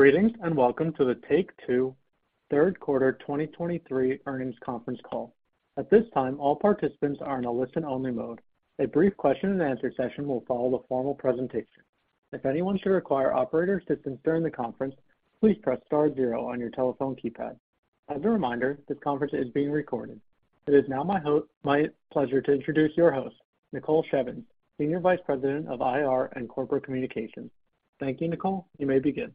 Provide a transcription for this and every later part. Greetings. Welcome to the Take-Two third quarter 2023 earnings conference call. At this time, all participants are in a listen-only mode. A brief question-and-answer session will follow the formal presentation. If anyone should require operator assistance during the conference, please press star zero on your telephone keypad. As a reminder, this conference is being recorded. It is now my pleasure to introduce your host, Nicole Shevlin, Senior Vice President of IR and Corporate Communications. Thank you, Nicole. You may begin.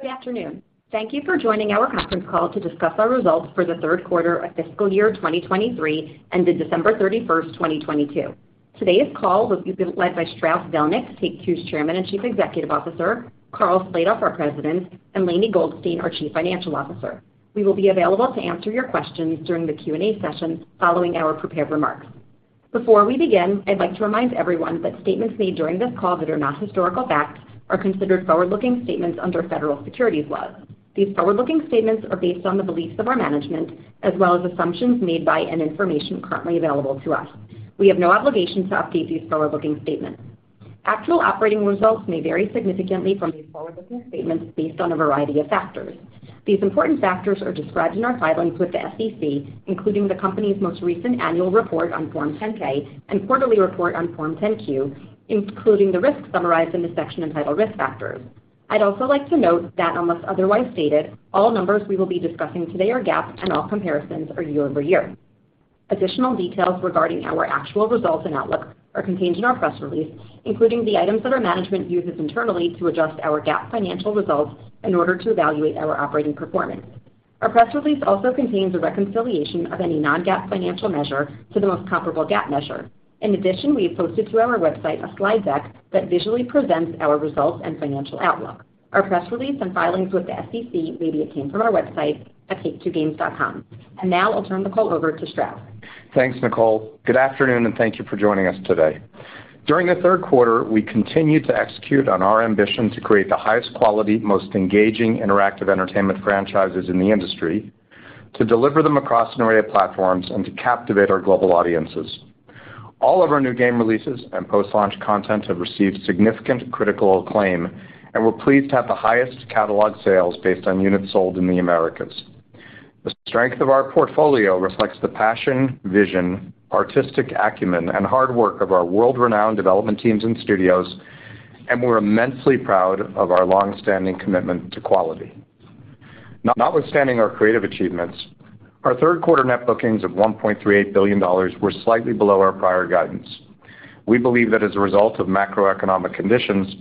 Good afternoon. Thank you for joining our conference call to discuss our results for the third quarter of fiscal year 2023 ended December 31st, 2022. Today's call will be led by Strauss Zelnick, Take-Two's Chairman and Chief Executive Officer, Karl Slatoff, our President, and Lainie Goldstein, our Chief Financial Officer. We will be available to answer your questions during the Q&A session following our prepared remarks. Before we begin, I'd like to remind everyone that statements made during this call that are not historical facts are considered forward-looking statements under federal securities laws. These forward-looking statements are based on the beliefs of our management as well as assumptions made by and information currently available to us. We have no obligation to update these forward-looking statements. Actual operating results may vary significantly from these forward-looking statements based on a variety of factors. These important factors are described in our filings with the SEC, including the company's most recent annual report on Form 10-K and quarterly report on Form 10-Q, including the risks summarized in the section entitled Risk Factors. I'd also like to note that unless otherwise stated, all numbers we will be discussing today are GAAP and all comparisons are year-over-year. Additional details regarding our actual results and outlook are contained in our press release, including the items that our management uses internally to adjust our GAAP financial results in order to evaluate our operating performance. Our press release also contains a reconciliation of any non-GAAP financial measure to the most comparable GAAP measure. In addition, we have posted to our website a slide deck that visually presents our results and financial outlook. Our press release and filings with the SEC may be obtained from our website at take2games.com. Now I'll turn the call over to Strauss. Thanks, Nicole. Good afternoon, and thank you for joining us today. During the third quarter, we continued to execute on our ambition to create the highest quality, most engaging interactive entertainment franchises in the industry, to deliver them across an array of platforms, and to captivate our global audiences. All of our new game releases and post-launch content have received significant critical acclaim, and we're pleased to have the highest catalog sales based on units sold in the Americas. The strength of our portfolio reflects the passion, vision, artistic acumen, and hard work of our world-renowned development teams and studios, and we're immensely proud of our long-standing commitment to quality. Notwithstanding our creative achievements, our third quarter net bookings of $1.38 billion were slightly below our prior guidance. We believe that as a result of macroeconomic conditions,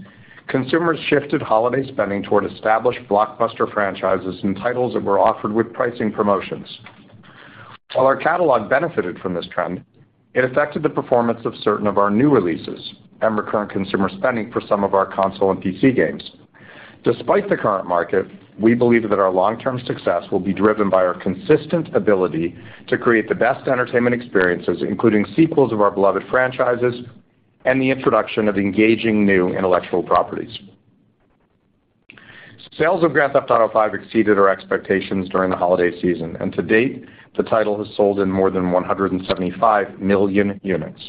consumers shifted holiday spending toward established blockbuster franchises and titles that were offered with pricing promotions. While our catalog benefited from this trend, it affected the performance of certain of our new releases and recurrent consumer spending for some of our console and PC games. Despite the current market, we believe that our long-term success will be driven by our consistent ability to create the best entertainment experiences, including sequels of our beloved franchises and the introduction of engaging new intellectual properties. Sales of Grand Theft Auto V exceeded our expectations during the holiday season. To date, the title has sold in more than 175 million units.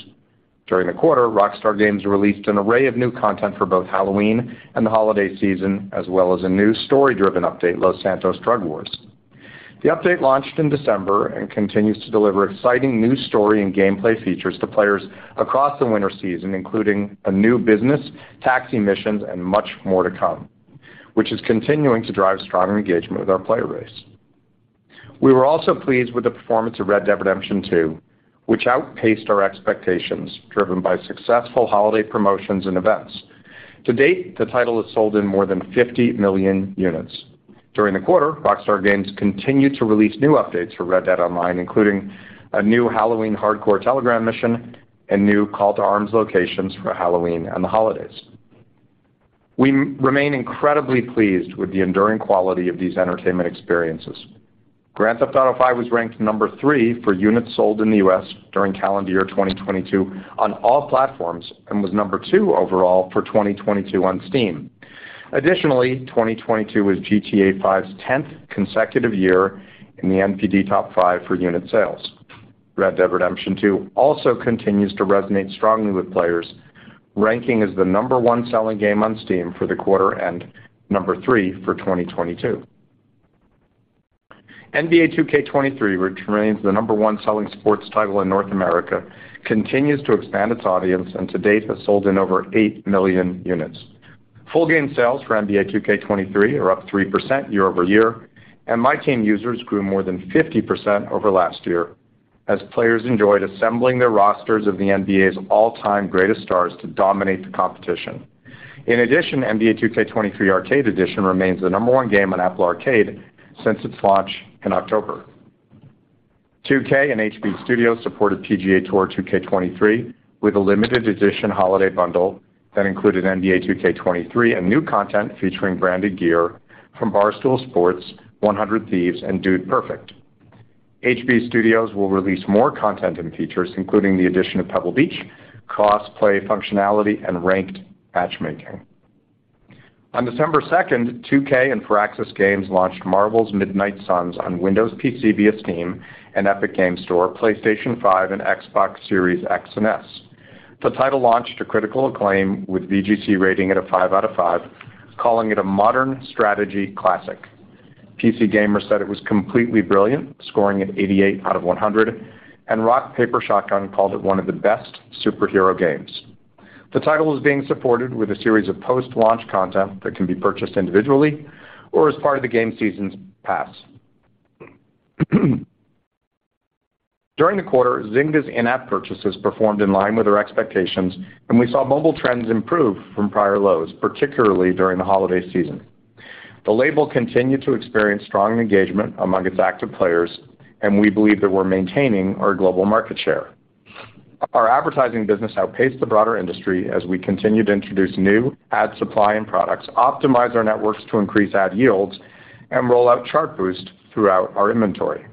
During the quarter, Rockstar Games released an array of new content for both Halloween and the holiday season, as well as a new story-driven update, Los Santos Drug Wars. The update launched in December and continues to deliver exciting new story and gameplay features to players across the winter season, including a new business, taxi missions, and much more to come, which is continuing to drive strong engagement with our player base. We were also pleased with the performance of Red Dead Redemption II, which outpaced our expectations, driven by successful holiday promotions and events. To date, the title has sold in more than 50 million units. During the quarter, Rockstar Games continued to release new updates for Red Dead Online, including a new Halloween hardcore telegram mission and new Call to Arms locations for Halloween and the holidays. We remain incredibly pleased with the enduring quality of these entertainment experiences. Grand Theft Auto V was ranked number three for units sold in the U.S. during calendar year 2022 on all platforms and was number two overall for 2022 on Steam. 2022 was GTA V's 10th consecutive year in the NPD Top five for unit sales. Red Dead Redemption II also continues to resonate strongly with players, ranking as the number one selling game on Steam for the quarter and number two for 2022. NBA 2K23, which remains the number one selling sports title in North America, continues to expand its audience and to date has sold in over 8 million units. Full game sales for NBA 2K23 are up 3% year-over-year, and MyTEAM users grew more than 50% over last year as players enjoyed assembling their rosters of the NBA's all-time greatest stars to dominate the competition. In addition, NBA 2K23 Arcade Edition remains the number one game on Apple Arcade since its launch in October. 2K and HB Studios supported PGA TOUR 2K23 with a limited edition holiday bundle that included NBA 2K23 and new content featuring branded gear from Barstool Sports, 100 Thieves, and Dude Perfect. HB Studios will release more content and features, including the addition of Pebble Beach, cross-play functionality, and ranked matchmaking. On December 2nd, 2K and Firaxis Games launched Marvel's Midnight Suns on Windows PC via Steam and Epic Games Store, PlayStation 5 and Xbox Series X and S. The title launched to critical acclaim with VGC rating it a 5/5, calling it a modern strategy classic. PC Gamer said it was completely brilliant, scoring it 88/100, and Rock Paper Shotgun called it one of the best superhero games. The title is being supported with a series of post-launch content that can be purchased individually or as part of the game seasons pass. During the quarter, Zynga's in-app purchases performed in line with our expectations, and we saw mobile trends improve from prior lows, particularly during the holiday season. The label continued to experience strong engagement among its active players, and we believe that we're maintaining our global market share. Our advertising business outpaced the broader industry as we continue to introduce new ad supply and products, optimize our networks to increase ad yields, and roll out Chartboost throughout our inventory.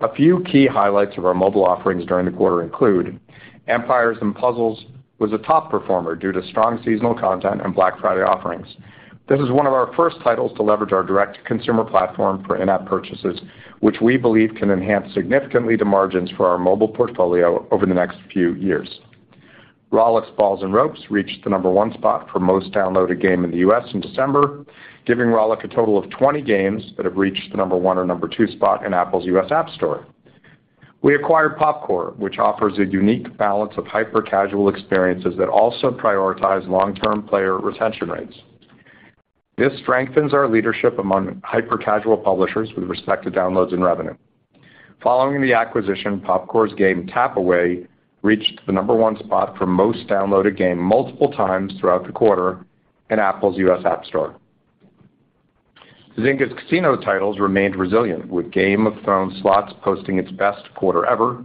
A few key highlights of our mobile offerings during the quarter include Empires & Puzzles was a top performer due to strong seasonal content and Black Friday offerings. This is one of our first titles to leverage our direct-to-consumer platform for in-app purchases, which we believe can enhance significantly the margins for our mobile portfolio over the next few years. Rollic's Balls'n Ropes reached the number one spot for most downloaded game in the U.S. in December, giving Rollic a total of 20 games that have reached the number one or number two spot in Apple's U.S. App Store. We acquired Popcore, which offers a unique balance of hyper-casual experiences that also prioritize long-term player retention rates. This strengthens our leadership among hyper-casual publishers with respect to downloads and revenue. Following the acquisition, Popcore's game Tap Away reached the number one spot for most downloaded game multiple times throughout the quarter in Apple's US App Store. Zynga's casino titles remained resilient, with Game of Thrones Slots posting its best quarter ever.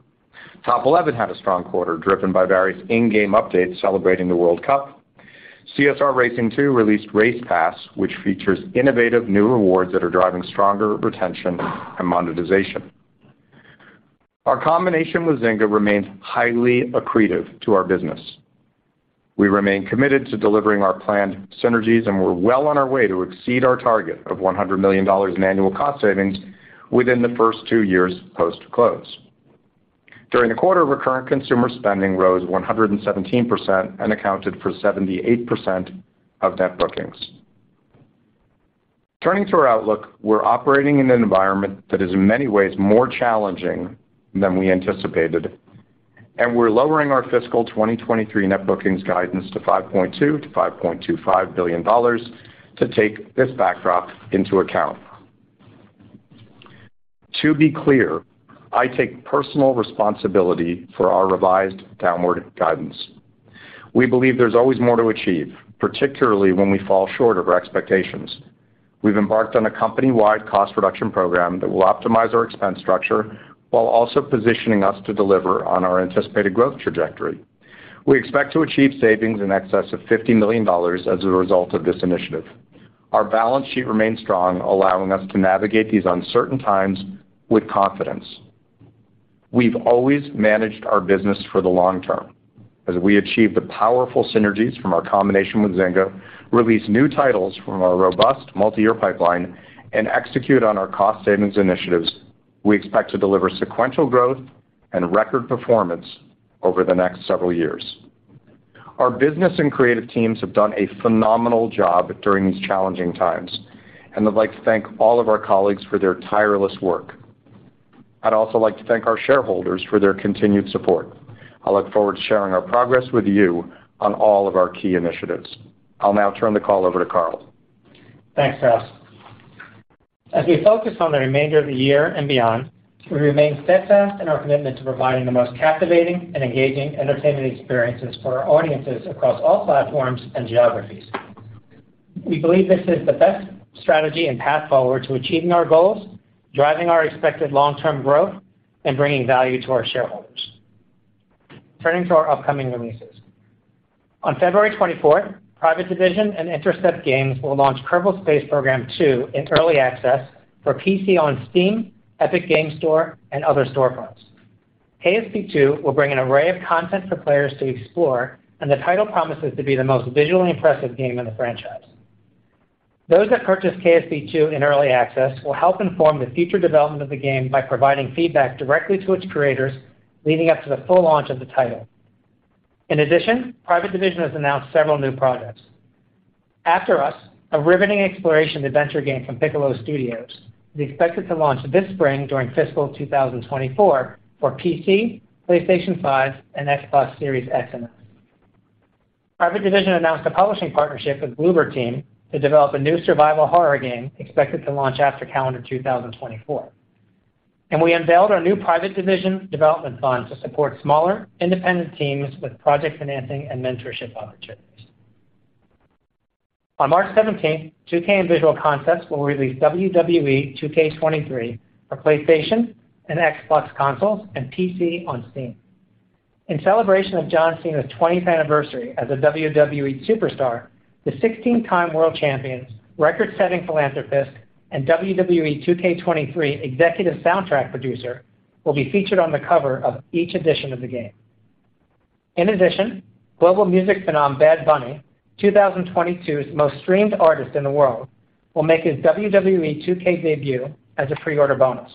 Top Eleven had a strong quarter, driven by various in-game updates celebrating the World Cup. CSR Racing 2 released Race Pass, which features innovative new rewards that are driving stronger retention and monetization. Our combination with Zynga remains highly accretive to our business. We remain committed to delivering our planned synergies, we're well on our way to exceed our target of $100 million in annual cost savings within the first two years post-close. During the quarter, recurrent consumer spending rose 117% and accounted for 78% of Net Bookings. Turning to our outlook, we're operating in an environment that is in many ways more challenging than we anticipated, and we're lowering our fiscal 2023 Net Bookings guidance to $5.2 billion-$5.25 billion to take this backdrop into account. To be clear, I take personal responsibility for our revised downward guidance. We believe there's always more to achieve, particularly when we fall short of our expectations. We've embarked on a company-wide cost reduction program that will optimize our expense structure while also positioning us to deliver on our anticipated growth trajectory. We expect to achieve savings in excess of $50 million as a result of this initiative. Our balance sheet remains strong, allowing us to navigate these uncertain times with confidence. We've always managed our business for the long term. As we achieve the powerful synergies from our combination with Zynga, release new titles from our robust multi-year pipeline, and execute on our cost savings initiatives, we expect to deliver sequential growth and record performance over the next several years. Our business and creative teams have done a phenomenal job during these challenging times, and I'd like to thank all of our colleagues for their tireless work. I'd also like to thank our shareholders for their continued support. I look forward to sharing our progress with you on all of our key initiatives. I'll now turn the call over to Karl. Thanks, Strauss. As we focus on the remainder of the year and beyond, we remain steadfast in our commitment to providing the most captivating and engaging entertainment experiences for our audiences across all platforms and geographies. We believe this is the best strategy and path forward to achieving our goals, driving our expected long-term growth, and bringing value to our shareholders. Turning to our upcoming releases. On February 24th, Private Division and Intercept Games will launch Kerbal Space Program Two in early access for PC on Steam, Epic Games Store, and other storefronts. KSP Two will bring an array of content for players to explore, and the title promises to be the most visually impressive game in the franchise. Those that purchase KSP 2 in early access will help inform the future development of the game by providing feedback directly to its creators leading up to the full launch of the title. Private Division has announced several new projects. After Us, a riveting exploration adventure game from Piccolo Studio, is expected to launch this spring during fiscal 2024 for PC, PlayStation 5, and Xbox Series X and S. Private Division announced a publishing partnership with Bloober Team to develop a new survival horror game expected to launch after calendar 2024. We unveiled our new Private Division development fund to support smaller independent teams with project financing and mentorship opportunities. On March 17th, 2K and Visual Concepts will release WWE 2K23 for PlayStation and Xbox consoles and PC on Steam. In celebration of John Cena's 20th anniversary as a WWE superstar, the 16-time world champion, record-setting philanthropist, and WWE 2K23 executive soundtrack producer will be featured on the cover of each edition of the game. Global music phenom Bad Bunny, 2022's most streamed artist in the world, will make his WWE 2K debut as a pre-order bonus.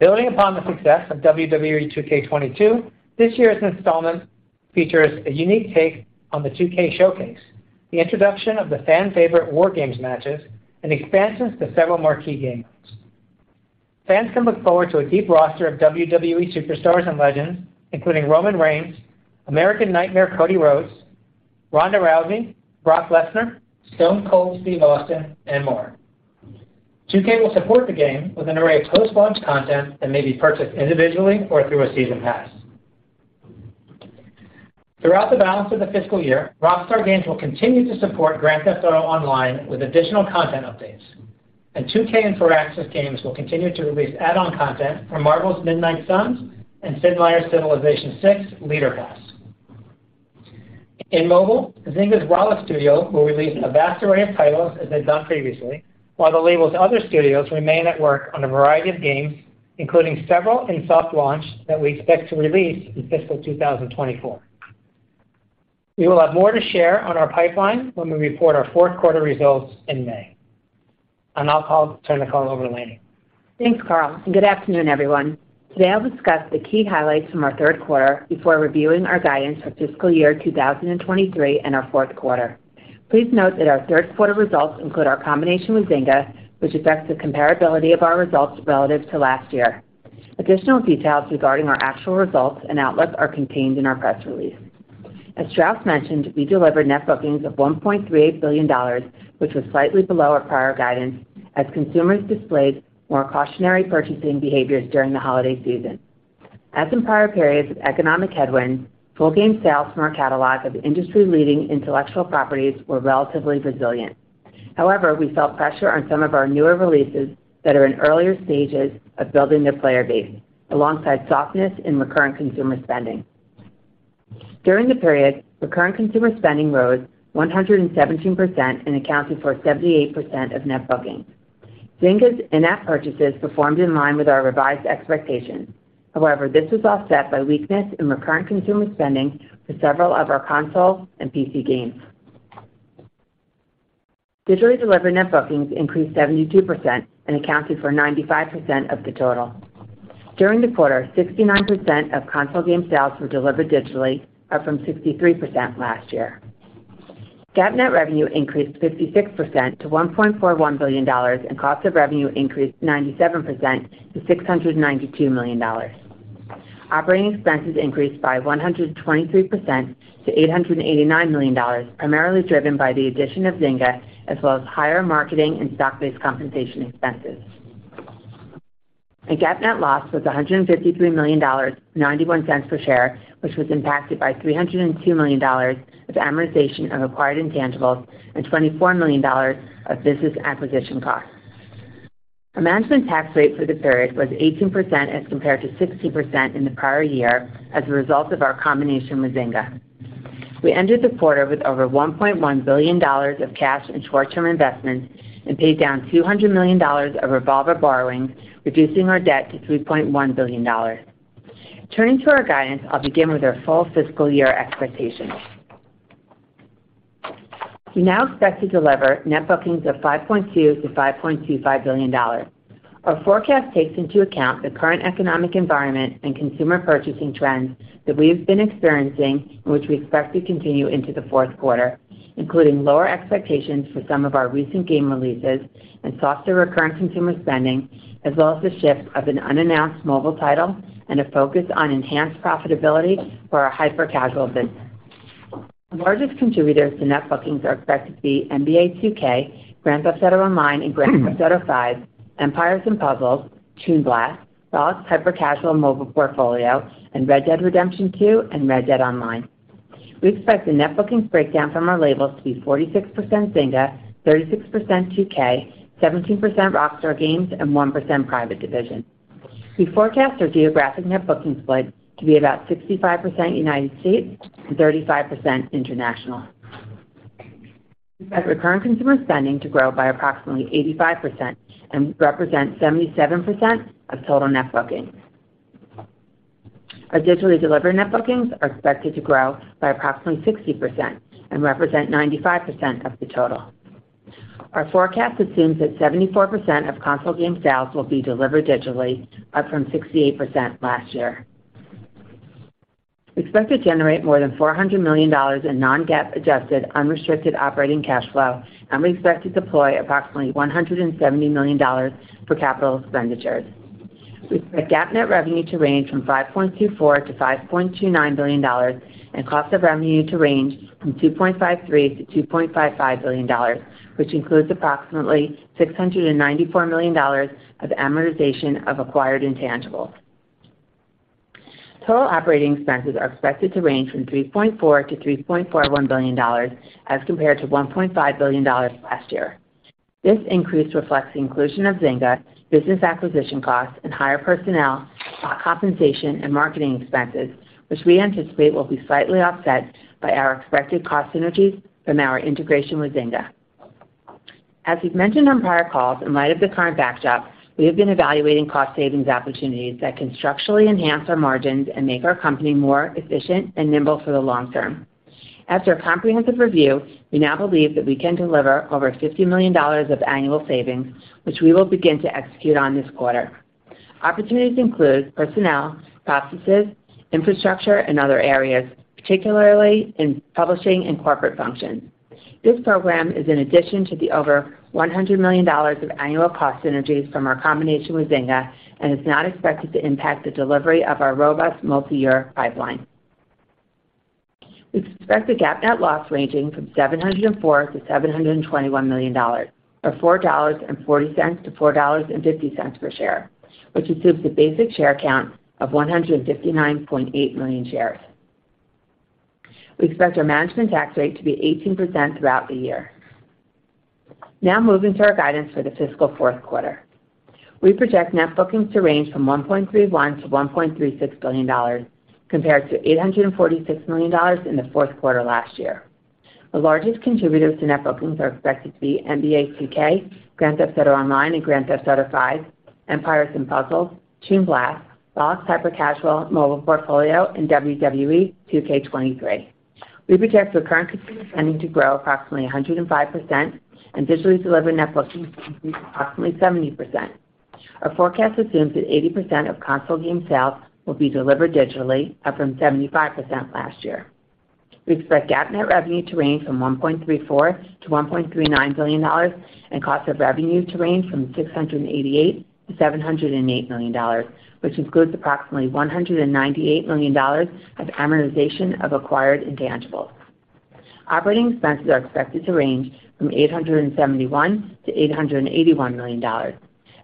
Building upon the success of WWE 2K22, this year's installment features a unique take on the 2K Showcase, the introduction of the fan favorite WarGames matches, and expansions to several more key game modes. Fans can look forward to a deep roster of WWE superstars and legends, including Roman Reigns, American Nightmare Cody Rhodes, Ronda Rousey, Brock Lesnar, Stone Cold Steve Austin, and more. 2K will support the game with an array of post-launch content that may be purchased individually or through a season pass. Throughout the balance of the fiscal year, Rockstar Games will continue to support Grand Theft Auto Online with additional content updates, and 2K and Firaxis Games will continue to release add-on content for Marvel's Midnight Suns and Sid Meier's Civilization VI: Leader Pass. In mobile, Zynga's Rollic Studio will release a vast array of titles as they've done previously, while the label's other studios remain at work on a variety of games, including several in soft launch that we expect to release in fiscal 2024. We will have more to share on our pipeline when we report our fourth quarter results in May. I'll turn the call over to Lainie. Thanks, Karl, good afternoon, everyone. Today, I'll discuss the key highlights from our third quarter before reviewing our guidance for fiscal year 2023 and our fourth quarter. Please note that our third quarter results include our combination with Zynga, which affects the comparability of our results relative to last year. Additional details regarding our actual results and outlook are contained in our press release. As Strauss mentioned, we delivered net bookings of $1.38 billion, which was slightly below our prior guidance, as consumers displayed more cautionary purchasing behaviors during the holiday season. As in prior periods of economic headwinds, full game sales from our catalog of industry-leading intellectual properties were relatively resilient. We saw pressure on some of our newer releases that are in earlier stages of building their player base, alongside softness in recurrent consumer spending. During the period, recurrent consumer spending rose 117% and accounted for 78% of Net Bookings. Zynga's in-app purchases performed in line with our revised expectations. However, this was offset by weakness in recurrent consumer spending for several of our consoles and PC games. Digitally delivered Net Bookings increased 72% and accounted for 95% of the total. During the quarter, 69% of console game sales were delivered digitally, up from 63% last year. GAAP net revenue increased 56% to $1.41 billion, and cost of revenue increased 97% to $692 million. Operating expenses increased by 123% to $889 million, primarily driven by the addition of Zynga, as well as higher marketing and stock-based compensation expenses. The GAAP net loss was $153 million, $0.91 per share, which was impacted by $302 million of amortization of acquired intangibles and $24 million of business acquisition costs. Our management tax rate for the period was 18% as compared to 16% in the prior year as a result of our combination with Zynga. We ended the quarter with over $1.1 billion of cash and short-term investments and paid down $200 million of revolver borrowing, reducing our debt to $3.1 billion. I'll begin with our full fiscal year expectations. We now expect to deliver net bookings of $5.2 billion-$5.25 billion. Our forecast takes into account the current economic environment and consumer purchasing trends that we have been experiencing, which we expect to continue into the fourth quarter, including lower expectations for some of our recent game releases and softer recurrent consumer spending, as well as the ship of an unannounced mobile title and a focus on enhanced profitability for our hyper-casual business. The largest contributors to net bookings are expected to be NBA 2K, Grand Theft Auto Online and Grand Theft Auto V, Empires & Puzzles, Toon Blast, Rollic's hyper-casual mobile portfolio, and Red Dead Redemption 2 and Red Dead Online. We expect the net bookings breakdown from our labels to be 46% Zynga, 36% 2K, 17% Rockstar Games, and 1% Private Division. We forecast our geographic net booking split to be about 65% United States and 35% international. We expect recurrent consumer spending to grow by approximately 85% and represent 77% of total net bookings. Our digitally delivered net bookings are expected to grow by approximately 60% and represent 95% of the total. Our forecast assumes that 74% of console game sales will be delivered digitally, up from 68% last year. We expect to generate more than $400 million in non-GAAP adjusted unrestricted operating cash flow, and we expect to deploy approximately $170 million for capital expenditures. We expect GAAP net revenue to range from $5.24 billion-$5.29 billion and cost of revenue to range from $2.53 billion-$2.55 billion, which includes approximately $694 million of amortization of acquired intangibles. Total operating expenses are expected to range from $3.4 billion-$3.41 billion as compared to $1.5 billion last year. This increase reflects the inclusion of Zynga, business acquisition costs, and higher personnel, compensation, and marketing expenses, which we anticipate will be slightly offset by our expected cost synergies from our integration with Zynga. As we've mentioned on prior calls, in light of the current backdrop, we have been evaluating cost savings opportunities that can structurally enhance our margins and make our company more efficient and nimble for the long term. After a comprehensive review, we now believe that we can deliver over $50 million of annual savings, which we will begin to execute on this quarter. Opportunities include personnel, processes, infrastructure, and other areas, particularly in publishing and corporate functions. This program is in addition to the over $100 million of annual cost synergies from our combination with Zynga and is not expected to impact the delivery of our robust multi-year pipeline. We expect a GAAP net loss ranging from $704 million-$721 million, or $4.40-$4.50 per share, which assumes the basic share count of 159.8 million shares. We expect our management tax rate to be 18% throughout the year. Now moving to our guidance for the fiscal fourth quarter. We project net bookings to range from $1.31 billion-$1.36 billion compared to $846 million in the fourth quarter last year. The largest contributors to net bookings are expected to be NBA 2K, Grand Theft Auto Online, and Grand Theft Auto V, Empires and Puzzles, Toon Blast, Roblox, Hyper Casual Mobile Portfolio, and WWE 2K23. We project recurrent consumer spending to grow approximately 105% and digitally delivered net bookings to increase approximately 70%. Our forecast assumes that 80% of console game sales will be delivered digitally, up from 75% last year. We expect GAAP net revenue to range from $1.34 billion-$1.39 billion and cost of revenue to range from $688 million-$708 million, which includes approximately $198 million of amortization of acquired intangibles. Operating expenses are expected to range from $871 million-$881 million.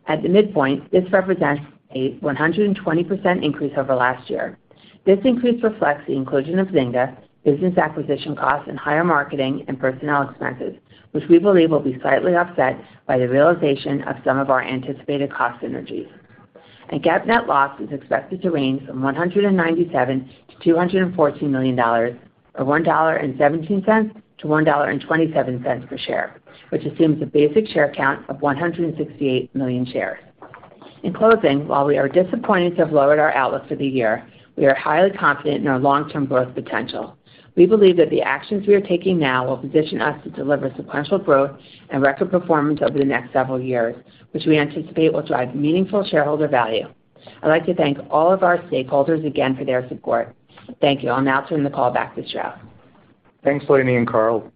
At the midpoint, this represents a 120% increase over last year. This increase reflects the inclusion of Zynga, business acquisition costs, and higher marketing and personnel expenses, which we believe will be slightly offset by the realization of some of our anticipated cost synergies. A GAAP net loss is expected to range from $197 million-$214 million, or $1.17-$1.27 per share, which assumes a basic share count of 168 million shares. In closing, while we are disappointed to have lowered our outlook for the year, we are highly confident in our long-term growth potential. We believe that the actions we are taking now will position us to deliver sequential growth and record performance over the next several years, which we anticipate will drive meaningful shareholder value. I'd like to thank all of our stakeholders again for their support. Thank you. I'll now turn the call back to Strauss. Thanks, Lainie and Karl.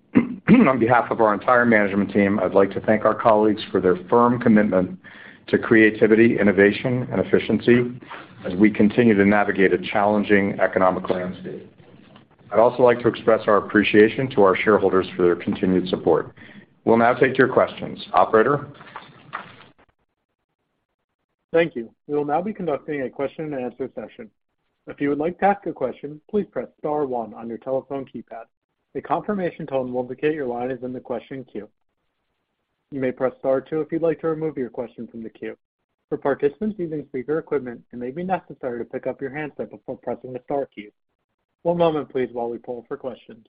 On behalf of our entire management team, I'd like to thank our colleagues for their firm commitment to creativity, innovation, and efficiency as we continue to navigate a challenging economic landscape. I'd also like to express our appreciation to our shareholders for their continued support. We'll now take your questions. Operator? Thank you. We will now be conducting a question-and-answer session. If you would like to ask a question, please press star one on your telephone keypad. A confirmation tone will indicate your line is in the question queue. You may press star two if you'd like to remove your question from the queue. For participants using speaker equipment, it may be necessary to pick up your handset before pressing the star key. One moment, please, while we poll for questions.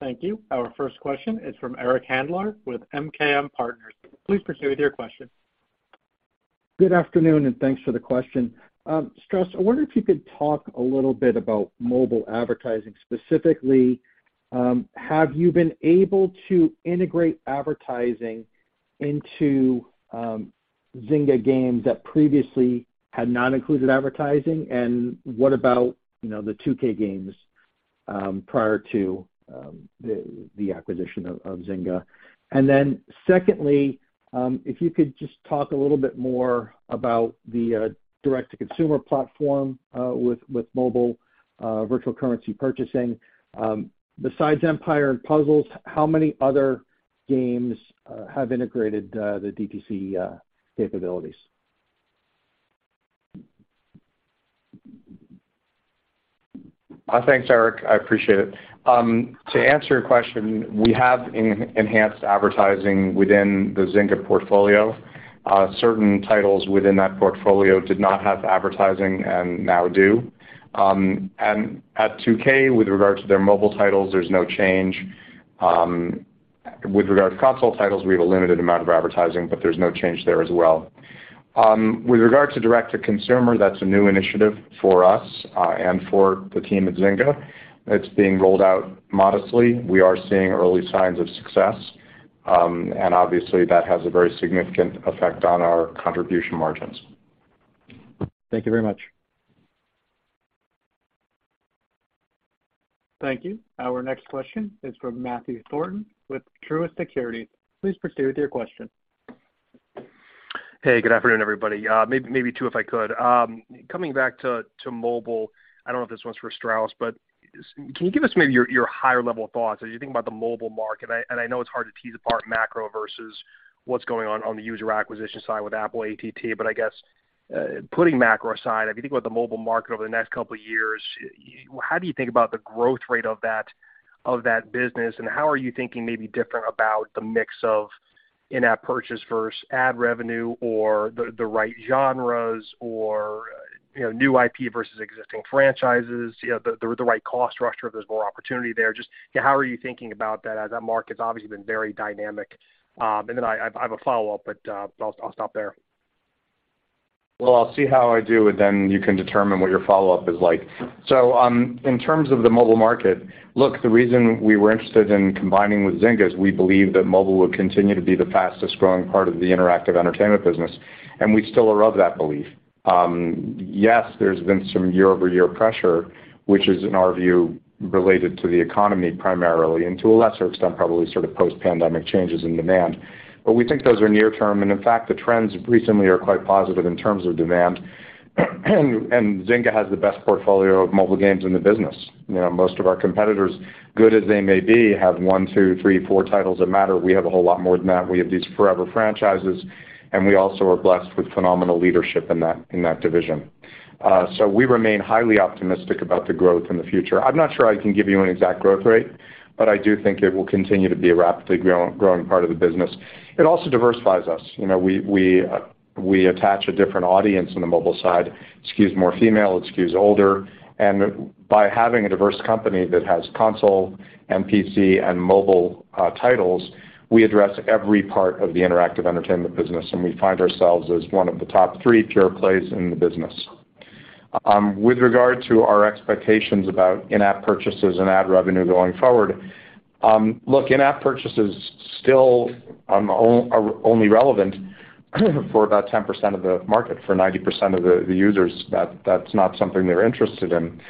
Thank you. Our first question is from Eric Handler with MKM Partners. Please proceed with your question. Good afternoon, and thanks for the question. Strauss, I wonder if you could talk a little bit about mobile advertising. Specifically, have you been able to integrate advertising into Zynga games that previously had not included advertising? What about, you know, the 2K games prior to the acquisition of Zynga? Secondly, if you could just talk a little bit more about the direct-to-consumer platform with mobile virtual currency purchasing. Besides Empires & Puzzles, how many other games have integrated the DTC capabilities? Thanks, Eric. I appreciate it. To answer your question, we have enhanced advertising within the Zynga portfolio. Certain titles within that portfolio did not have advertising and now do. At 2K, with regard to their mobile titles, there's no change. With regard to console titles, we have a limited amount of advertising, but there's no change there as well. With regard to direct-to-consumer, that's a new initiative for us, and for the team at Zynga. It's being rolled out modestly. We are seeing early signs of success. Obviously, that has a very significant effect on our contribution margins. Thank you very much. Thank you. Our next question is from Matthew Thornton with Truist Securities. Please proceed with your question. Hey, good afternoon, everybody. maybe two, if I could. Coming back to mobile, I don't know if this one's for Strauss, but can you give us your higher level thoughts as you think about the mobile market? I know it's hard to tease apart macro versus what's going on on the user acquisition side with Apple ATT. I guess, putting macro aside, if you think about the mobile market over the next couple of years, how do you think about the growth rate of that business, and how are you thinking maybe different about the mix of in-app purchase versus ad revenue or the right genres or, you know, new IP versus existing franchises, you know, the right cost structure, if there's more opportunity there. Just, you know, how are you thinking about that as that market's obviously been very dynamic? I have a follow-up, but, I'll stop there. I'll see how I do, and then you can determine what your follow-up is like. In terms of the mobile market, look, the reason we were interested in combining with Zynga is we believe that mobile will continue to be the fastest-growing part of the interactive entertainment business, and we still are of that belief. Yes, there's been some year-over-year pressure, which is, in our view, related to the economy primarily, and to a lesser extent, probably sort of post-pandemic changes in demand. We think those are near term. In fact, the trends recently are quite positive in terms of demand. Zynga has the best portfolio of mobile games in the business. You know, most of our competitors, good as they may be, have one, two, three, four titles that matter. We have a whole lot more than that. We have these forever franchises. We also are blessed with phenomenal leadership in that division. We remain highly optimistic about the growth in the future. I'm not sure I can give you an exact growth rate, but I do think it will continue to be a rapidly growing part of the business. It also diversifies us. You know, we attach a different audience on the mobile side. Skews more female. It skews older. By having a diverse company that has console, PC, and mobile titles, we address every part of the interactive entertainment business, and we find ourselves as one of the top 3 pure plays in the business. With regard to our expectations about in-app purchases and ad revenue going forward, look, in-app purchases still are only relevant for about 10% of the market. For 90% of the users, that's not something they're interested in.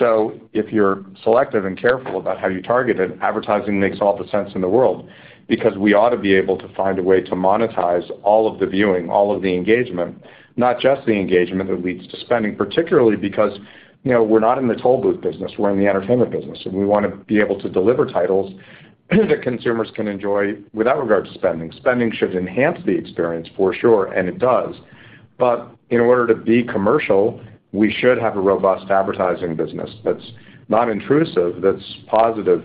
If you're selective and careful about how you target it, advertising makes all the sense in the world because we ought to be able to find a way to monetize all of the viewing, all of the engagement, not just the engagement that leads to spending, particularly because, you know, we're not in the toll booth business, we're in the entertainment business, and we wanna be able to deliver titles that consumers can enjoy without regard to spending. Spending should enhance the experience for sure, and it does. In order to be commercial, we should have a robust advertising business that's not intrusive, that's positive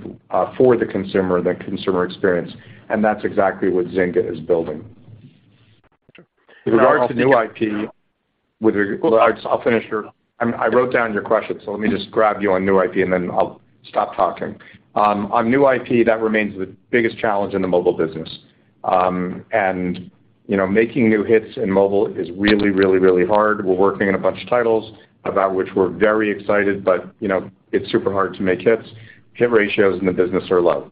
for the consumer and the consumer experience, and that's exactly what Zynga is building. With regard to new IP, with. Well, I'll finish your I mean, I wrote down your question, so let me just grab you on new IP, and then I'll stop talking. On new IP, that remains the biggest challenge in the mobile business. You know, making new hits in mobile is really, really, really hard. We're working on a bunch of titles about which we're very excited, but, you know, it's super hard to make hits. Hit ratios in the business are low.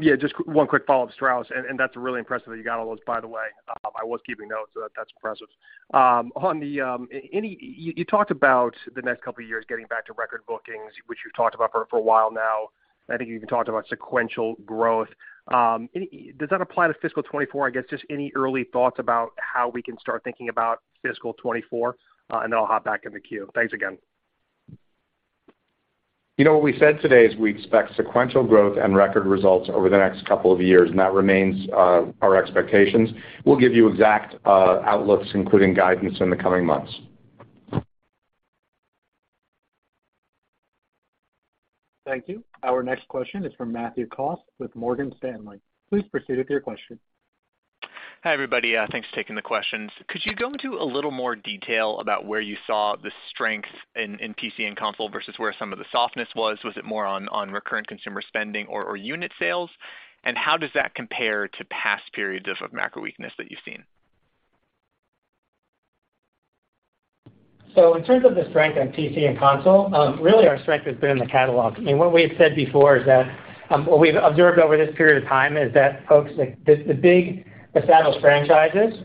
Yeah, just one quick follow-up, Strauss, and that's really impressive that you got all those, by the way. I was keeping notes, so that's impressive. On the, any, you talked about the next couple of years getting back to record bookings, which you've talked about for a while now. I think you even talked about sequential growth. Any, does that apply to fiscal 2024? I guess just any early thoughts about how we can start thinking about fiscal 2024, and then I'll hop back in the queue. Thanks again. You know, what we said today is we expect sequential growth and record results over the next couple of years, that remains our expectations. We'll give you exact outlooks including guidance in the coming months. Thank you. Our next question is from Matthew Cost with Morgan Stanley. Please proceed with your question. Hi, everybody. Thanks for taking the questions. Could you go into a little more detail about where you saw the strength in PC and console versus where some of the softness was? Was it more on recurrent consumer spending or unit sales? How does that compare to past periods of macro weakness that you've seen? In terms of the strength on PC and console, really our strength has been in the catalog. I mean, what we had said before is that, what we've observed over this period of time is that folks like the big established franchises,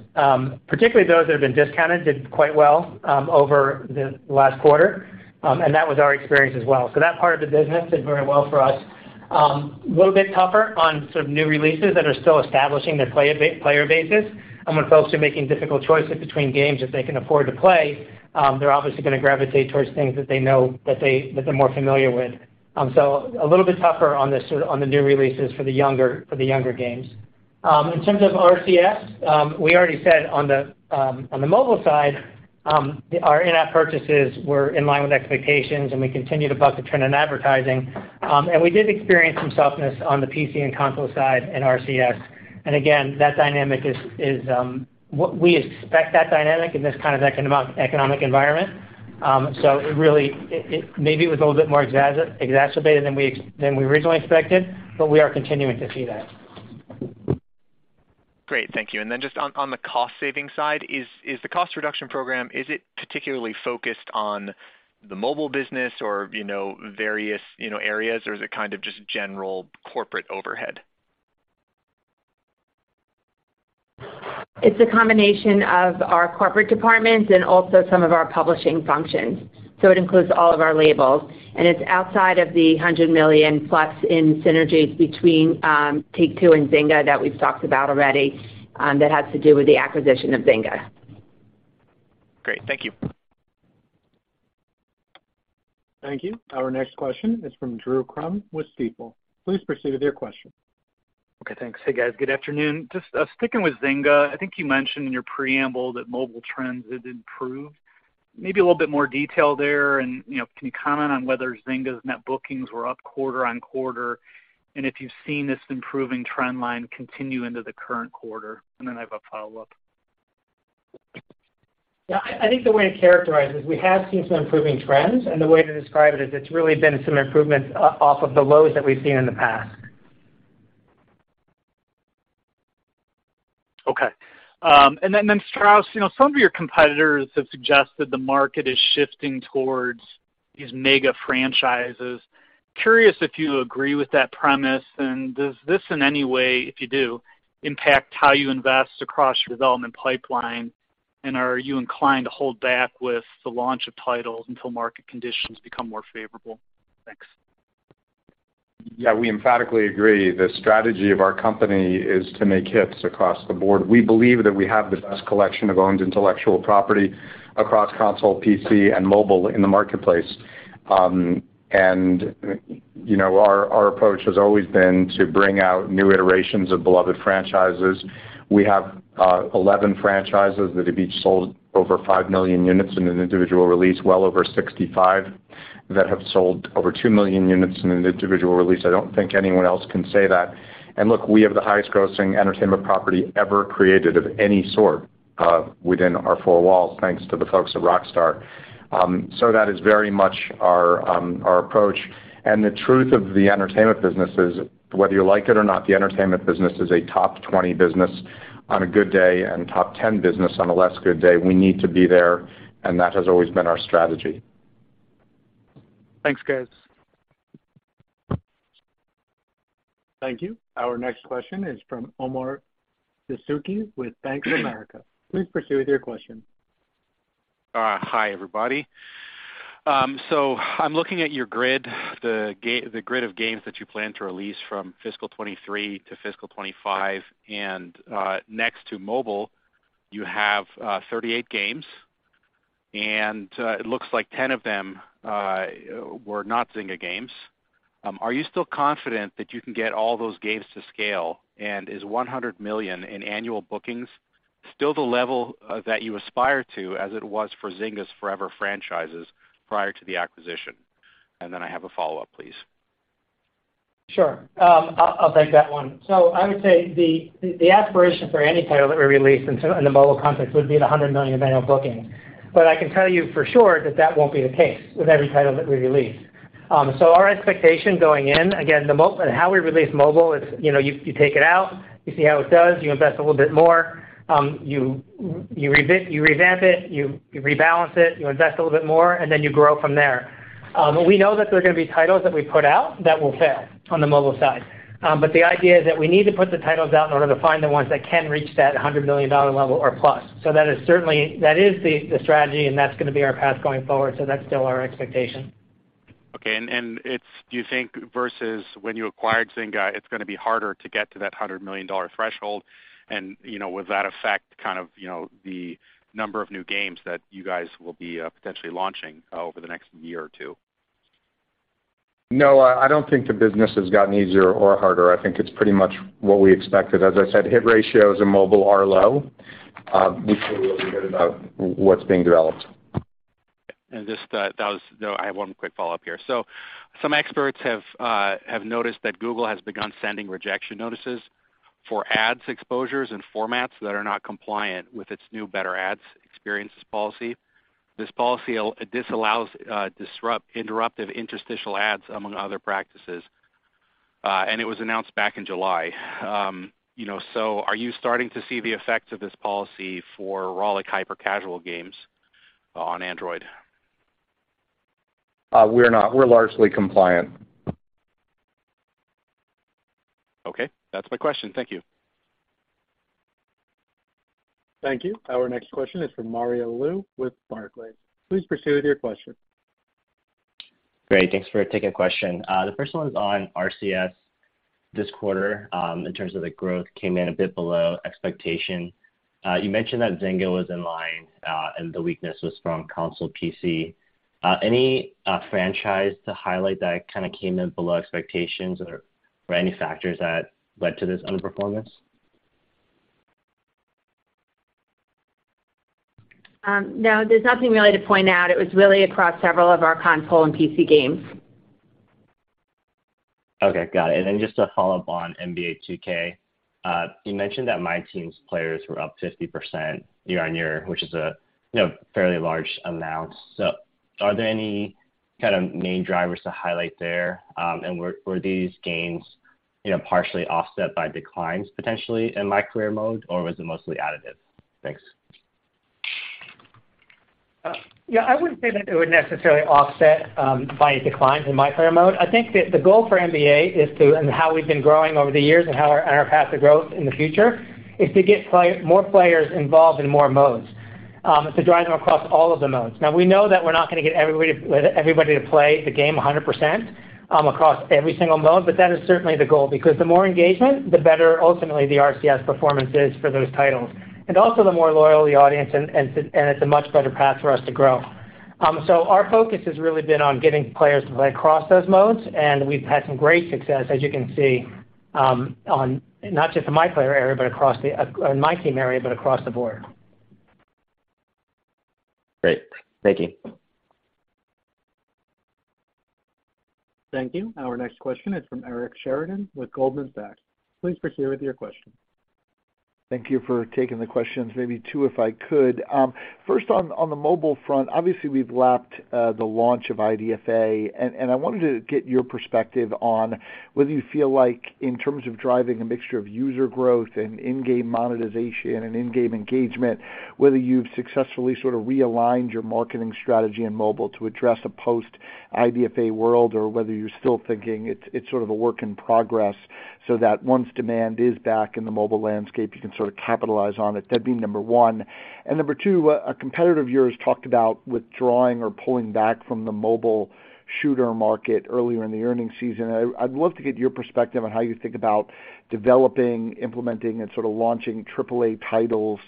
particularly those that have been discounted, did quite well over the last quarter. That was our experience as well. That part of the business did very well for us. A little bit tougher on sort of new releases that are still establishing their player bases. When folks are making difficult choices between games that they can afford to play, they're obviously gonna gravitate towards things that they know that they're more familiar with. A little bit tougher on the new releases for the younger games. In terms of RCS, we already said on the mobile side, our in-app purchases were in line with expectations, and we continued a positive trend in advertising. We did experience some softness on the PC and console side in RCS. Again, that dynamic is what we expect that dynamic in this kind of eco-economic environment. It really, it maybe it was a little bit more exacerbated than we originally expected, but we are continuing to see that. Great. Thank you. Then just on the cost-saving side, is the cost reduction program, is it particularly focused on the mobile business or, you know, various, you know, areas? Or is it kind of just general corporate overhead? It's a combination of our corporate departments and also some of our publishing functions. It includes all of our labels, and it's outside of the $100 million plus in synergies between Take-Two and Zynga that we've talked about already, that has to do with the acquisition of Zynga. Great. Thank you. Thank you. Our next question is from Drew Crum with Stifel. Please proceed with your question. Okay, thanks. Hey, guys. Good afternoon. Just sticking with Zynga, I think you mentioned in your preamble that mobile trends had improved. Maybe a little bit more detail there and, you know, can you comment on whether Zynga's Net Bookings were up quarter-on-quarter? If you've seen this improving trend line continue into the current quarter, I have a follow-up. Yeah. I think the way to characterize it is we have seen some improving trends. The way to describe it is it's really been some improvements off of the lows that we've seen in the past. Okay. Then, Strauss, you know, some of your competitors have suggested the market is shifting towards these mega franchises. Curious if you agree with that premise, and does this in any way, if you do, impact how you invest across your development pipeline? Are you inclined to hold back with the launch of titles until market conditions become more favorable? Thanks. Yeah. We emphatically agree. The strategy of our company is to make hits across the board. We believe that we have the best collection of owned intellectual property across console, PC, and mobile in the marketplace. you know, our approach has always been to bring out new iterations of beloved franchises. We have 11 franchises that have each sold over 5 million units in an individual release, well over 65 that have sold over 2 million units in an individual release. I don't think anyone else can say that. look, we have the highest grossing entertainment property ever created of any sort, within our four walls thanks to the folks at Rockstar. that is very much our approach. The truth of the entertainment business is whether you like it or not, the entertainment business is a top 20 business on a good day and top 10 business on a less good day. We need to be there, and that has always been our strategy. Thanks, guys. Thank you. Our next question is from Omar Dessouky with Bank of America. Please proceed with your question. Hi, everybody. I'm looking at your grid, the grid of games that you plan to release from fiscal 2023 to fiscal 2025. Next to mobile, you have 38 games, and it looks like 10 of them were not Zynga games. Are you still confident that you can get all those games to scale? Is $100 million in annual bookings still the level that you aspire to as it was for Zynga's forever franchises prior to the acquisition? Then I have a follow-up, please. Sure. I'll take that one. I would say the aspiration for any title that we release in the mobile context would be the $100 million of annual booking. I can tell you for sure that that won't be the case with every title that we release. Our expectation going in, again, how we release mobile is, you know, you take it out, you see how it does, you invest a little bit more, you revamp it, you rebalance it, you invest a little bit more, and then you grow from there. We know that there are gonna be titles that we put out that will fail on the mobile side. The idea is that we need to put the titles out in order to find the ones that can reach that $100 million level or plus. That is certainly the strategy, and that's gonna be our path going forward. That's still our expectation. Okay. Do you think versus when you acquired Zynga, it's gonna be harder to get to that $100 million threshold? You know, would that affect kind of, you know, the number of new games that you guys will be potentially launching over the next year or two? No, I don't think the business has gotten easier or harder. I think it's pretty much what we expected. As I said, hit ratios in mobile are low. We feel really good about what's being developed. Just, no, I have one quick follow-up here. Some experts have noticed that Google has begun sending rejection notices for ads exposures and formats that are not compliant with its new, Better Ads Experiences policy. This policy allows disrupt interrupted interstitial ads among other practices. It was announced back in July. You know, are you starting to see the effects of this policy for Rollic hyper-casual games on Android? We're not. We're largely compliant. Okay. That's my question. Thank you. Thank you. Our next question is from Mario Lu with Barclays. Please proceed with your question. Great. Thanks for taking a question. The first one is on RCS. This quarter, in terms of the growth came in a bit below expectation. You mentioned that Zynga was in line, and the weakness was from console PC. Any franchise to highlight that kinda came in below expectations or any factors that led to this underperformance? No, there's nothing really to point out. It was really across several of our console and PC games. Okay. Got it. Just to follow up on NBA 2K. You mentioned that MyTEAM's players were up 50% year-over-year, which is a, you know, fairly large amount. Are there any kind of main drivers to highlight there? Were these gains, you know, partially offset by declines potentially in MyCAREER mode, or was it mostly additive? Thanks. Yeah. I wouldn't say that it would necessarily offset by declines in MyPLAYER mode. I think that the goal for NBA is to, and how we've been growing over the years and in our path to growth in the future, is to get more players involved in more modes, to drive them across all of the modes. Now, we know that we're not gonna get everybody to play the game 100% across every single mode, but that is certainly the goal. Because the more engagement, the better ultimately the RCS performance is for those titles. Also the more loyal the audience and it's a much better path for us to grow. Our focus has really been on getting players to play across those modes, and we've had some great success, as you can see, on not just the MyPLAYER area, but across the, or MyTEAM area, but across the board. Great. Thank you. Thank you. Our next question is from Eric Sheridan with Goldman Sachs. Please proceed with your question. Thank you for taking the questions. Maybe two, if I could. First on the mobile front, obviously, we've lapped the launch of IDFA, and I wanted to get your perspective on whether you feel like in terms of driving a mixture of user growth and in-game monetization and in-game engagement, whether you've successfully sort of realigned your marketing strategy in mobile to address a post-IDFA world or whether you're still thinking it's sort of a work in progress so that once demand is back in the mobile landscape, you can sort of capitalize on it? That'd be number one. Number two, a competitor of yours talked about withdrawing or pulling back from the mobile shooter market earlier in the earnings season. I'd love to get your perspective on how you think about developing, implementing and sort of launching AAA titles,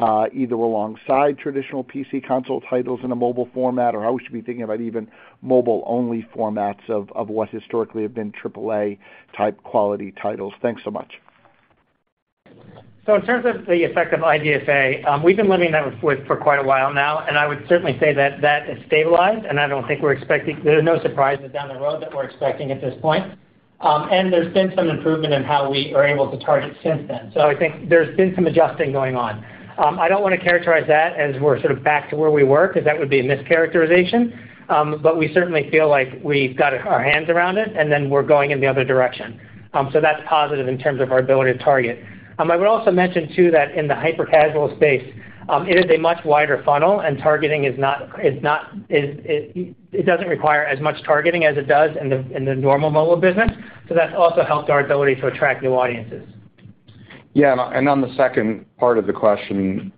either alongside traditional PC console titles in a mobile format or how we should be thinking about even mobile-only formats of what historically have been AAA type quality titles. Thanks so much. In terms of the effect of IDFA, we've been living that with for quite a while now, and I would certainly say that that has stabilized, and I don't think there are no surprises down the road that we're expecting at this point. There's been some improvement in how we are able to target since then. I think there's been some adjusting going on. I don't wanna characterize that as we're sort of back to where we were, 'cause that would be a mischaracterization, but we certainly feel like we've got our hands around it and then we're going in the other direction. That's positive in terms of our ability to target. I would also mention too that in the hyper-casual space, it is a much wider funnel and targeting is not, it doesn't require as much targeting as it does in the, in the normal mobile business. That's also helped our ability to attract new audiences. Yeah. On the second part of the question,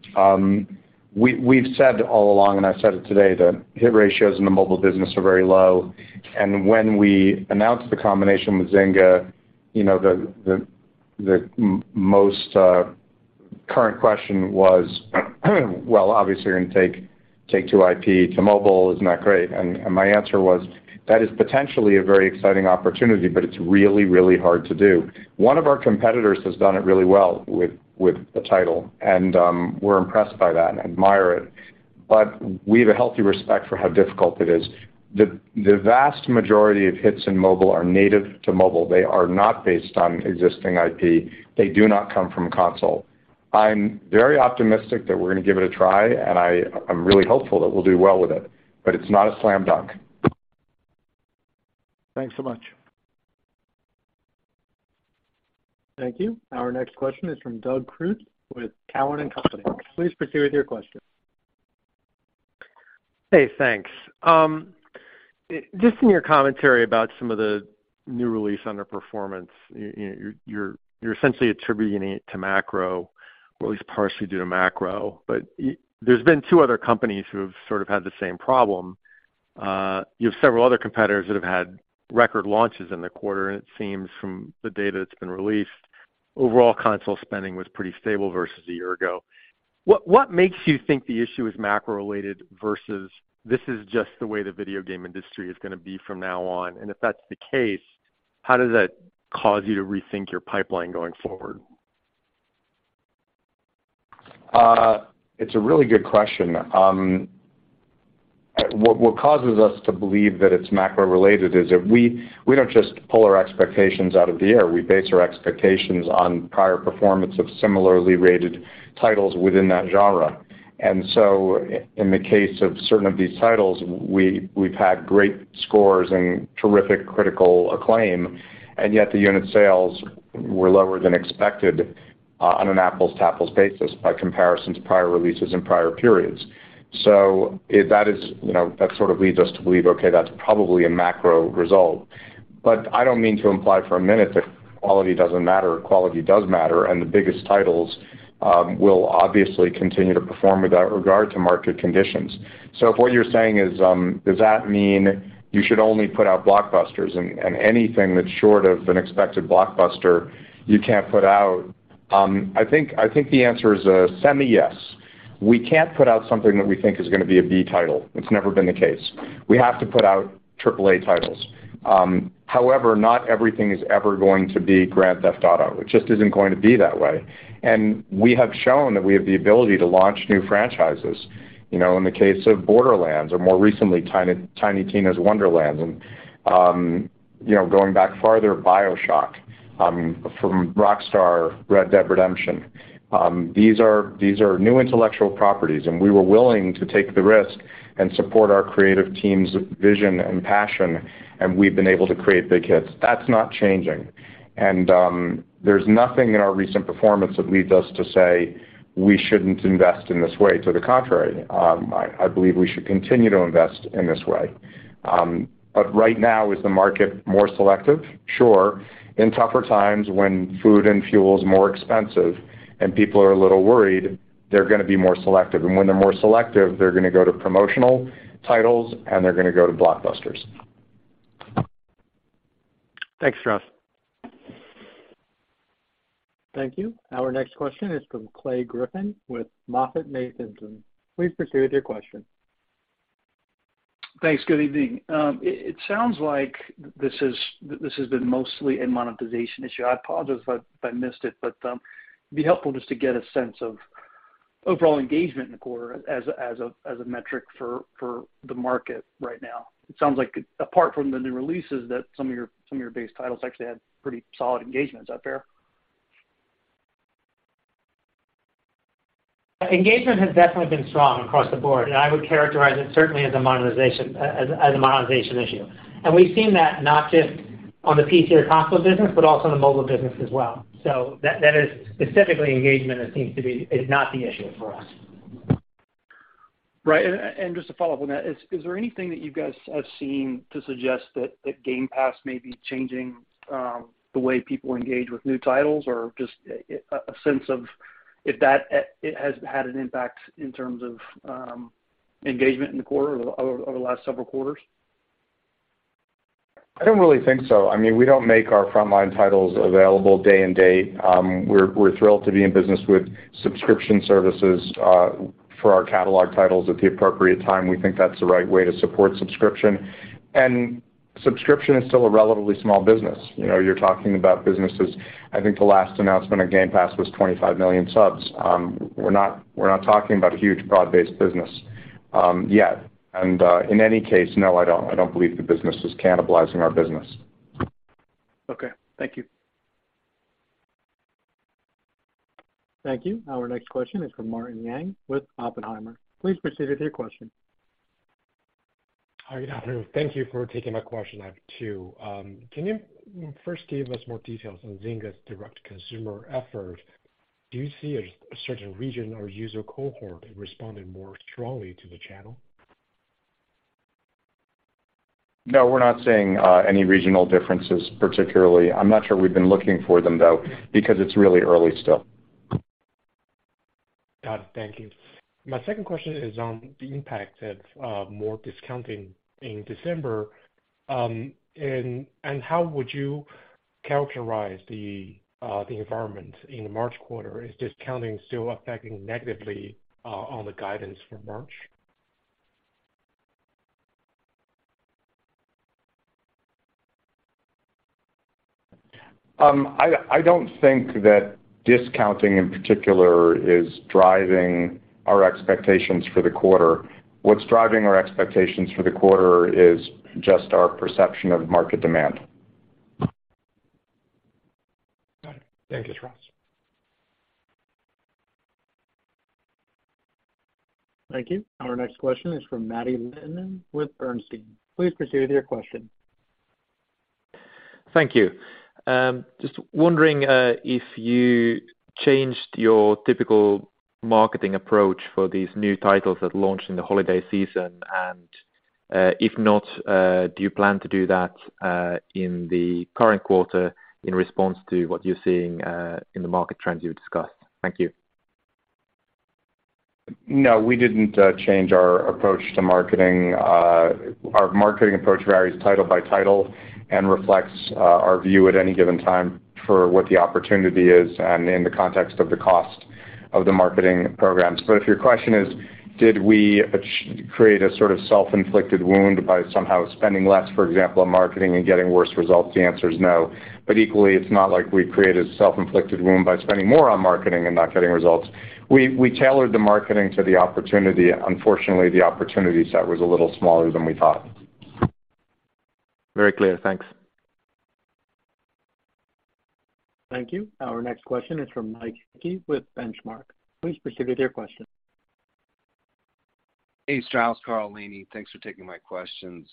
we've said all along, and I've said it today, that hit ratios in the mobile business are very low. When we announced the combination with Zynga, you know, the most current question was, well, obviously you're gonna take Take-Two IP to mobile. Isn't that great? My answer was, that is potentially a very exciting opportunity, but it's really, really hard to do. One of our competitors has done it really well with a title and we're impressed by that and admire it. We have a healthy respect for how difficult it is. The vast majority of hits in mobile are native to mobile. They are not based on existing IP. They do not come from a console. I'm very optimistic that we're gonna give it a try, and I'm really hopeful that we'll do well with it, but it's not a slam dunk. Thanks so much. Thank you. Our next question is from Doug Creutz with Cowen and Company. Please proceed with your question. Thanks. Just in your commentary about some of the new release underperformance, you're essentially attributing it to macro or at least partially due to macro. There's been two other companies who have sort of had the same problem. You have several other competitors that have had record launches in the quarter, and it seems from the data that's been released, overall console spending was pretty stable versus a year ago. What makes you think the issue is macro-related versus this is just the way the video game industry is gonna be from now on? If that's the case, how does that cause you to rethink your pipeline going forward? It's a really good question. What, what causes us to believe that it's macro-related is that we don't just pull our expectations out of the air. We base our expectations on prior performance of similarly rated titles within that genre. In the case of certain of these titles, we've had great scores and terrific critical acclaim, and yet the unit sales were lower than expected on an apples-to-apples basis by comparison to prior releases in prior periods. If that is, you know, that sort of leads us to believe, okay, that's probably a macro result. I don't mean to imply for a minute that quality doesn't matter. Quality does matter, and the biggest titles will obviously continue to perform without regard to market conditions. If what you're saying is, does that mean you should only put out blockbusters and anything that's short of an expected blockbuster, you can't put out? I think the answer is a semi-yes. We can't put out something that we think is gonna be a B title. It's never been the case. We have to put out AAA titles. However, not everything is ever going to be Grand Theft Auto. It just isn't going to be that way. We have shown that we have the ability to launch new franchises. You know, in the case of Borderlands or more recently, Tiny Tina's Wonderlands and, you know, going back farther, BioShock, from Rockstar, Red Dead Redemption. These are new intellectual properties, and we were willing to take the risk and support our creative team's vision and passion, and we've been able to create big hits. That's not changing. There's nothing in our recent performance that leads us to say we shouldn't invest in this way. To the contrary, I believe we should continue to invest in this way. Right now is the market more selective? Sure. In tougher times when food and fuel is more expensive and people are a little worried, they're gonna be more selective. When they're more selective, they're gonna go to promotional titles, and they're gonna go to blockbusters. Thanks, Strauss. Thank you. Our next question is from Clay Griffin with MoffettNathanson. Please proceed with your question. Thanks. Good evening. It sounds like this has been mostly a monetization issue. I apologize if I missed it, but, it'd be helpful just to get a sense of overall engagement in the quarter as a metric for the market right now. It sounds like apart from the new releases that some of your base titles actually had pretty solid engagements out there. Engagement has definitely been strong across the board, I would characterize it certainly as a monetization, as a monetization issue. We've seen that not just on the PC or console business, but also in the mobile business as well. That, that is specifically engagement that seems to be is not the issue for us. Right. Just to follow up on that, is there anything that you guys have seen to suggest that Game Pass may be changing, the way people engage with new titles or just a sense of if that it has had an impact in terms of, engagement in the quarter or the over the last several quarters? I don't really think so. I mean, we don't make our frontline titles available day and date. We're thrilled to be in business with subscription services for our catalog titles at the appropriate time. We think that's the right way to support subscription. Subscription is still a relatively small business. You know, you're talking about businesses. I think the last announcement on Game Pass was 25 million subs. We're not talking about a huge broad-based business yet. In any case, no, I don't believe the business is cannibalizing our business. Okay. Thank you. Thank you. Our next question is from Martin Yang with Oppenheimer. Please proceed with your question. Hi. Good afternoon. Thank you for taking my question. I have two. Can you first give us more details on Zynga's direct consumer effort? Do you see a certain region or user cohort responding more strongly to the channel? We're not seeing any regional differences particularly. I'm not sure we've been looking for them though, because it's really early still. Got it. Thank Thank you. My second question is on the impact of more discounting in December. How would you characterize the environment in the March quarter? Is discounting still affecting negatively on the guidance for March? I don't think that discounting in particular is driving our expectations for the quarter. What's driving our expectations for the quarter is just our perception of market demand. Got it. Thank you, Strauss. Thank you. Our next question is from Matti Littunen with Bernstein. Please proceed with your question. Thank you. Just wondering if you changed your typical marketing approach for these new titles that launched in the holiday season. If not, do you plan to do that in the current quarter in response to what you're seeing in the market trends you discussed? Thank you. No, we didn't change our approach to marketing. Our marketing approach varies title by title and reflects our view at any given time for what the opportunity is and in the context of the cost of the marketing programs. If your question is, did we create a sort of self-inflicted wound by somehow spending less, for example, on marketing and getting worse results? The answer is no. Equally, it's not like we created a self-inflicted wound by spending more on marketing and not getting results. We tailored the marketing to the opportunity. Unfortunately, the opportunity set was a little smaller than we thought. Very clear. Thanks. Thank you. Our next question is from Mike Hickey with Benchmark. Please proceed with your question. Hey, Strauss, Karl, Lainie. Thanks for taking my questions.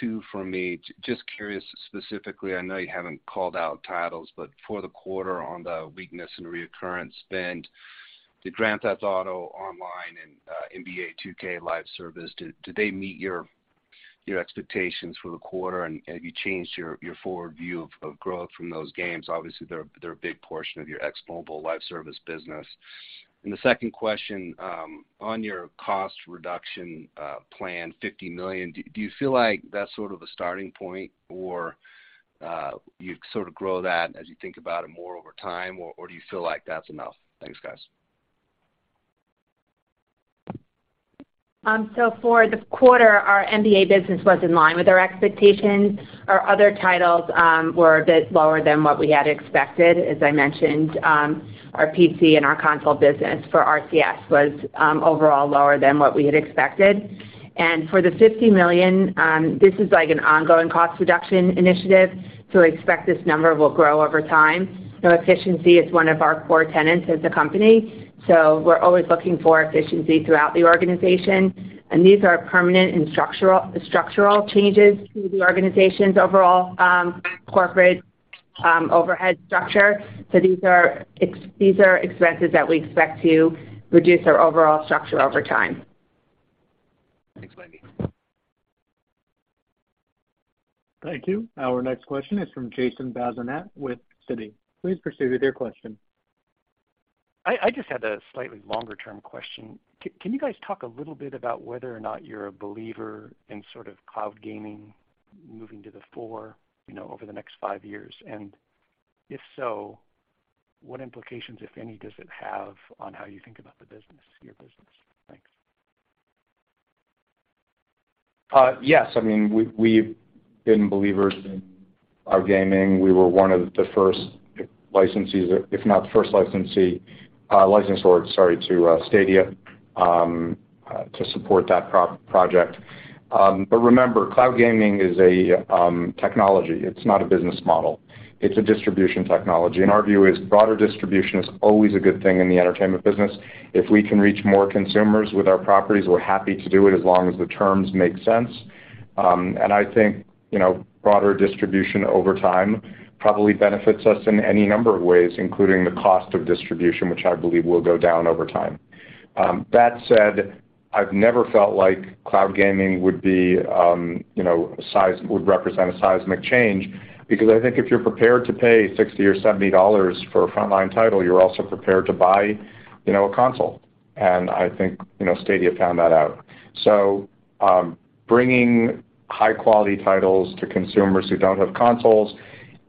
Two from me. Just curious specifically, I know you haven't called out titles, but for the quarter on the weakness and recurrent spend, did Grand Theft Auto Online and NBA 2K live service, did they meet your expectations for the quarter? Have you changed your forward view of growth from those games? Obviously, they're a big portion of your ex-mobile live service business. The second question on your cost reduction plan, $50 million, do you feel like that's sort of a starting point or you sort of grow that as you think about it more over time or do you feel like that's enough? Thanks, guys. For the quarter, our NBA business was in line with our expectations. Our other titles were a bit lower than what we had expected. As I mentioned, our PC and our console business for RCS was overall lower than what we had expected. For the $50 million, this is like an ongoing cost reduction initiative, so expect this number will grow over time. Efficiency is one of our core tenets as a company, so we're always looking for efficiency throughout the organization. These are permanent and structural changes to the organization's overall corporate overhead structure. These are expenses that we expect to reduce our overall structure over time. Thanks, Lainie. Thank you. Our next question is from Jason Bazinet with Citi. Please proceed with your question. I just had a slightly longer term question. Can you guys talk a little bit about whether or not you're a believer in sort of cloud gaming moving to the fore, you know, over the next five years? If so, what implications, if any, does it have on how you think about the business, your business? Thanks. Yes. I mean, we've been believers in our gaming. We were one of the first licensees, if not the first licensee, license org, sorry, to Stadia to support that pro-project. Remember, cloud gaming is a technology. It's not a business model. It's a distribution technology, and our view is broader distribution is always a good thing in the entertainment business. If we can reach more consumers with our properties, we're happy to do it as long as the terms make sense. And I think, you know, broader distribution over time probably benefits us in any number of ways, including the cost of distribution, which I believe will go down over time. That said, I've never felt like cloud gaming would be, you know, would represent a seismic change because I think if you're prepared to pay $60 or $70 for a frontline title, you're also prepared to buy, you know, a console. I think, you know, Stadia found that out. Bringing high quality titles to consumers who don't have consoles,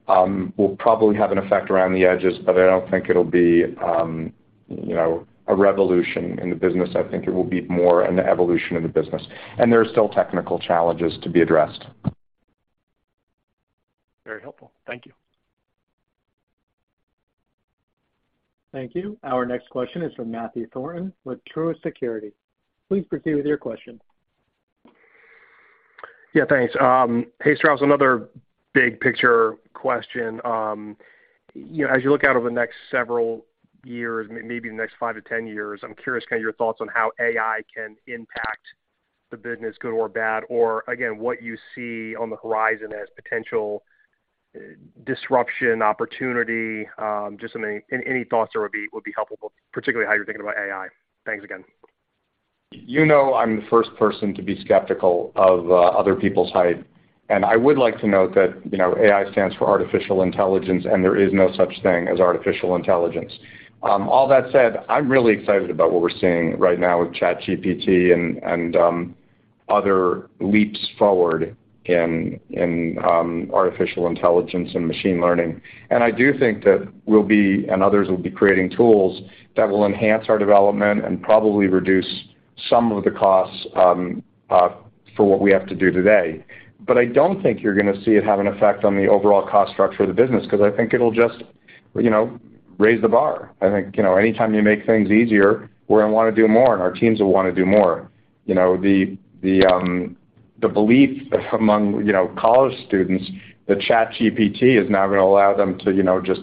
will probably have an effect around the edges, but I don't think it'll be, you know, a revolution in the business. I think it will be more an evolution in the business. There are still technical challenges to be addressed. Very helpful. Thank you. Thank you. Our next question is from Matthew Thornton with Truist Securities. Please proceed with your question. Yeah, thanks. Hey, Strauss. Another big picture question. You know, as you look out over the next several years, maybe the next five to 10 years, I'm curious kinda your thoughts on how AI can impact the business, good or bad, or again, what you see on the horizon as potential disruption, opportunity, just any thoughts there would be helpful, particularly how you're thinking about AI. Thanks again. You know I'm the first person to be skeptical of other people's hype. I would like to note that, you know, AI stands for artificial intelligence, and there is no such thing as artificial intelligence. All that said, I'm really excited about what we're seeing right now with ChatGPT and other leaps forward in artificial intelligence and machine learning. I do think that we'll be, and others will be creating tools that will enhance our development and probably reduce some of the costs for what we have to do today. I don't think you're gonna see it have an effect on the overall cost structure of the business 'cause I think it'll just, you know, raise the bar. I think, you know, anytime you make things easier, we're gonna wanna do more, and our teams will wanna do more. You know, the belief among, you know, college students that ChatGPT is now gonna allow them to, you know, just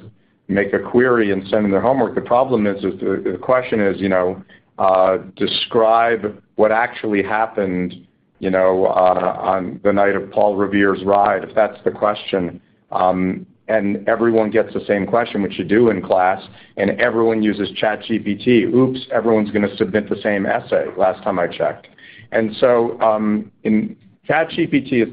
make a query and send in their homework. The problem is, the question is, you know, describe what actually happened, you know, on the night of Paul Revere's ride, if that's the question. Everyone gets the same question, which you do in class, and everyone uses ChatGPT. Oops, everyone's gonna submit the same essay last time I checked. ChatGPT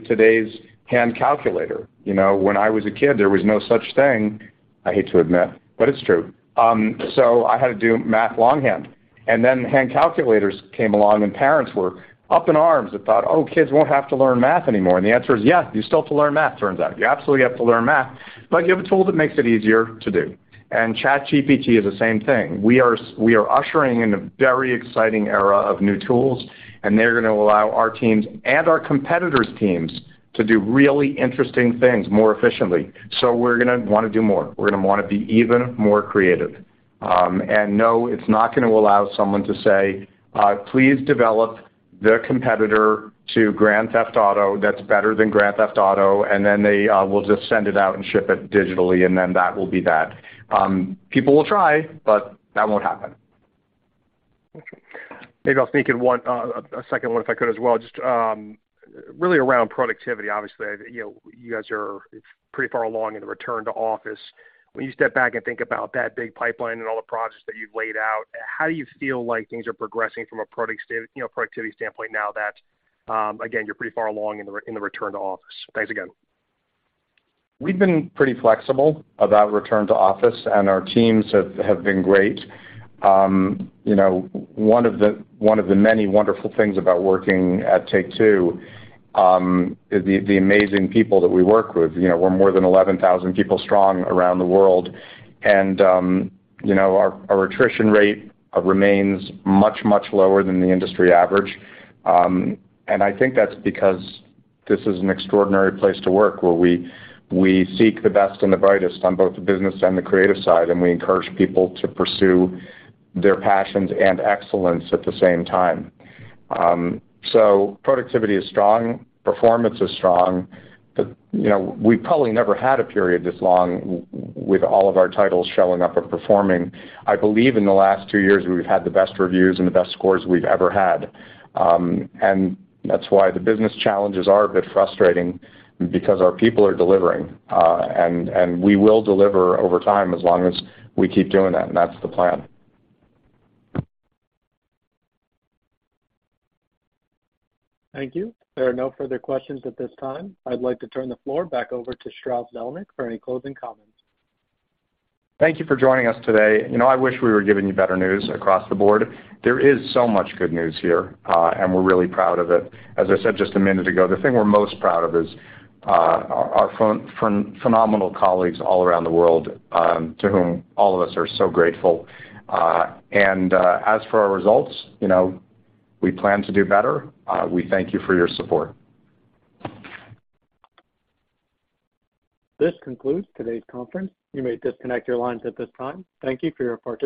is today's hand calculator. You know, when I was a kid, there was no such thing, I hate to admit, but it's true. I had to do math longhand. Then hand calculators came along, and parents were up in arms and thought, Oh, kids won't have to learn math anymore. The answer is, yeah, you still have to learn math, turns out. You absolutely have to learn math, but you have a tool that makes it easier to do. ChatGPT is the same thing. We are ushering in a very exciting era of new tools, and they're gonna allow our teams and our competitors' teams to do really interesting things more efficiently. We're gonna wanna do more. We're gonna wanna be even more creative. No, it's not gonna allow someone to say, please develop the competitor to Grand Theft Auto that's better than Grand Theft Auto, and then they will just send it out and ship it digitally, and then that will be that. People will try, but that won't happen. Okay. Maybe I'll sneak in one, a second one if I could as well. Just, really around productivity, obviously, you know, you guys are pretty far along in the return to office. When you step back and think about that big pipeline and all the products that you've laid out, how do you feel like things are progressing from a productivity standpoint now that, again, you're pretty far along in the return to office? Thanks again. We've been pretty flexible about return to office, and our teams have been great. You know, one of the many wonderful things about working at Take-Two is the amazing people that we work with. You know, we're more than 11,000 people strong around the world. You know, our attrition rate remains much, much lower than the industry average. I think that's because this is an extraordinary place to work, where we seek the best and the brightest on both the business and the creative side, and we encourage people to pursue their passions and excellence at the same time. Productivity is strong. Performance is strong. You know, we've probably never had a period this long with all of our titles showing up or performing. I believe in the last two years, we've had the best reviews and the best scores we've ever had. That's why the business challenges are a bit frustrating because our people are delivering. We will deliver over time as long as we keep doing that, and that's the plan. Thank you. There are no further questions at this time. I'd like to turn the floor back over to Strauss Zelnick for any closing comments. Thank you for joining us today. You know, I wish we were giving you better news across the board. There is so much good news here. We're really proud of it. As I said just a minute ago, the thing we're most proud of is our phenomenal colleagues all around the world, to whom all of us are so grateful. As for our results, you know, we plan to do better. We thank you for your support. This concludes today's conference. You may disconnect your lines at this time. Thank you for your participation.